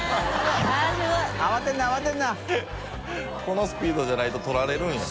このスピードじゃないと取られるんや。